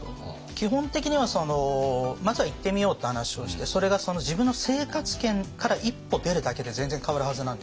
基本的にはまずは行ってみようって話をしてそれが自分の生活圏から一歩出るだけで全然変わるはずなんですよ。